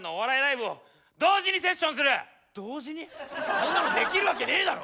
そんなのできるわけねえだろ！